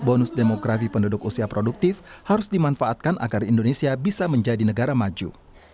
bonus demografi penduduk usia produktif harus dimanfaatkan agar indonesia bisa menjadi negara maju